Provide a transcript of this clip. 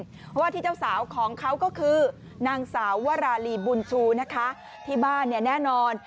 เพราะว่าที่เจ้าสาวของเขาก็คือนางสาววราลีบุญชูนะคะที่บ้านเนี่ยแน่นอน